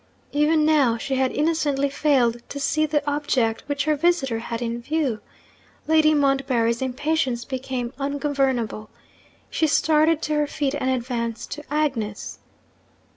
Even now, she had innocently failed to see the object which her visitor had in view. Lady Montbarry's impatience became ungovernable. She started to her feet, and advanced to Agnes.